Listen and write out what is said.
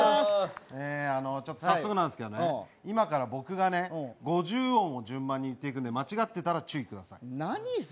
早速なんですけど、今から僕が五十音を順番に言っていくんで間違っていたら、注意ください。